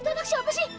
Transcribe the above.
itu anak siapa sih